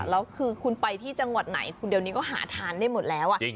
แล้วคือคุณไปที่จังหวัดไหนเดี๋ยวนี้ก็หาทานได้หมดแล้ว